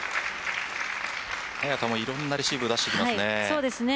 早田もいろんなレシーブを出してきますね。